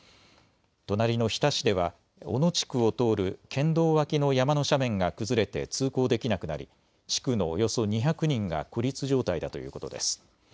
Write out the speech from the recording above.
隣の日田市では、小野地区を通る県道脇の山の斜面が崩れて通行できなくなり地区のおよそ２００人が孤立状態だということです。